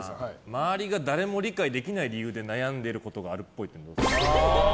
周りが誰も理解できない理由で悩んでいることがあるっぽい。